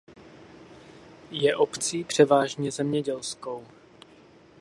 Je obcí převážně zemědělskou.